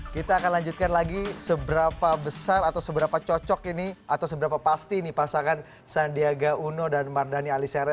kita akan lanjutkan lagi seberapa besar atau seberapa cocok ini atau seberapa pasti pasangan sandiaga uno dan mardhani alisera